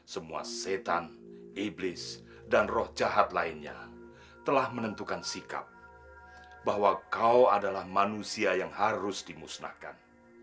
semua setan iblis dan roh jahat lainnya telah menentukan sikap bahwa kau adalah manusia yang harus dimusnahkan